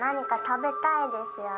食べたいですよ。